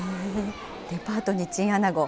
デパートにチンアナゴ。